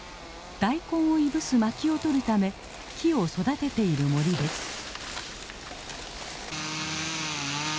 大根をいぶす薪をとるため木を育てている森です。